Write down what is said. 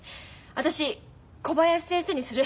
私小林先生にする。